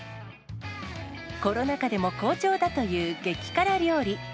コロナ禍でも好調だという激辛料理。